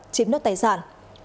chiếm nốt tài sản